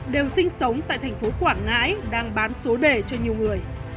đều sinh sống tại thành phố quảng ngãi đang bán số đề cho nhiều người